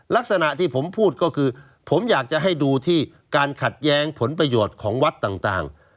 ลักษณะที่ผมพูดก็คือผมอยากจะให้ดูที่การขัดแย้งผลประโยชน์ของวัดต่าง